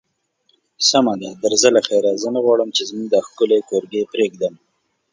سمه ده، درځه له خیره، زه نه غواړم چې زموږ دا ښکلی کورګی پرېږدم.